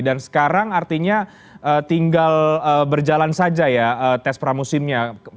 dan sekarang artinya tinggal berjalan saja ya tes pramusimnya